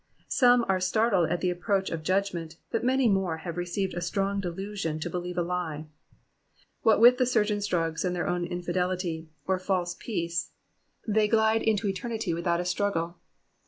Some are startled at the approach of judgment, but many more have received a strong delusion to believe a lie. What with the surgeon's drugs and their own infidelity, or false peace, they glide into eternity without a struggle.